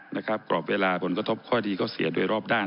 นะครับกรอบเวลาผลกระทบข้อดีข้อเสียโดยรอบด้าน